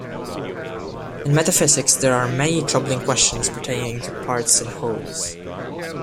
In metaphysics there are many troubling questions pertaining to parts and wholes.